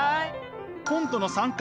コントの参加